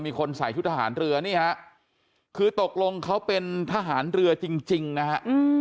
มีคนใส่ชุดทหารเรือนี่ฮะคือตกลงเขาเป็นทหารเรือจริงนะฮะ